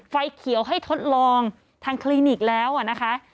ไฟเขียวให้ทดลองทางคลินิกแล้วนะคะ